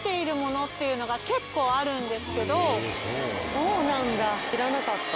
そうなんだ。